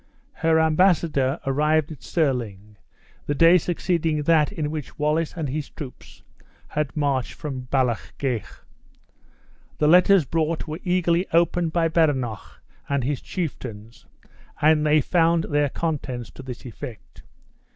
Her embassador arrived at Stirling the day succeeding that in which Wallace and his troops had marched from Ballochgeich. The letters brought were eagerly opened by Badenoch and his chieftains, and they found their contents to this effect.